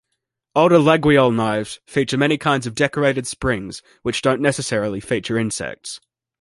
Older "laguiole" knives feature many kinds of decorated springs which don't necessarily feature insects.